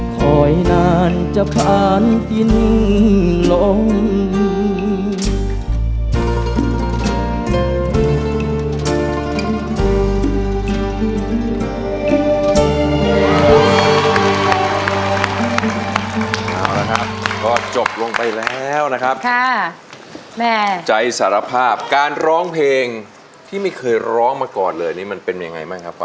คอยนานจะผ่านทิ้งลง